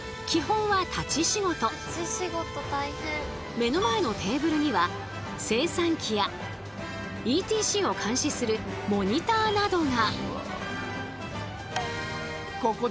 目の前のテーブルには精算機やＥＴＣを監視するモニターなどが。